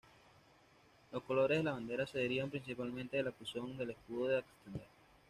Los colores de la bandera se derivan principalmente del escusón del escudo de Ámsterdam.